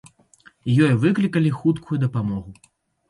Ёй выклікалі хуткую дапамогу.